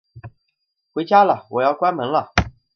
回家啦，我要关门了